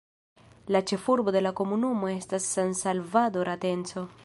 La ĉefurbo de la komunumo estas San Salvador Atenco.